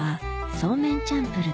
そうめんチャンプルー。